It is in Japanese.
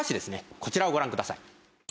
こちらをご覧ください。